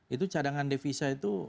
itu cadangan devisa itu